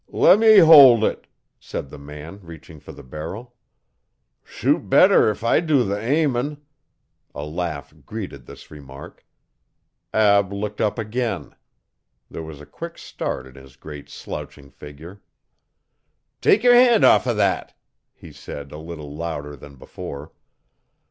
'Le'me hold it,' said the man, reaching for the barrel. 'Shoot better if I do the aimin'.' A laugh greeted this remark. Ab looked up again. There was a quick start in his great slouching figure. 'Take yer hand off o' thet,' he said a little louder than before.